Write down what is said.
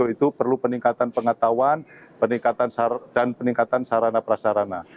itu perlu peningkatan pengetahuan peningkatan dan peningkatan sarana prasarana